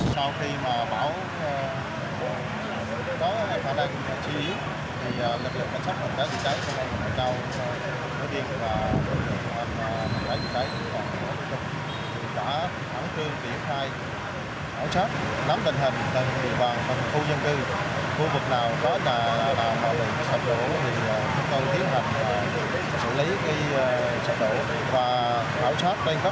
sau khi bão có hạ đăng hạ chí lực lượng cảnh sát hành giá trị đáy cho đoàn quân đảo